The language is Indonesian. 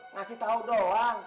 ngasih tahu doang